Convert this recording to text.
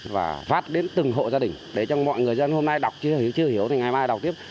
và phát đến từng hộ gia đình để cho mọi người dân hôm nay đọc chưa hiểu thì ngày mai đọc tiếp